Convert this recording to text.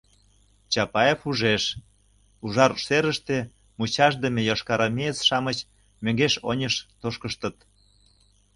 Чапаев ужеш: ужар серыште мучашдыме йошкарармеец-шамыч мӧҥгеш-оньыш тошкыштыт.